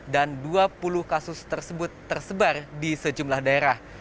dan dua puluh kasus tersebut tersebar di sejumlah daerah